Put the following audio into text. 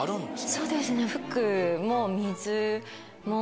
そうですね。